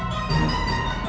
aku tidak apa apa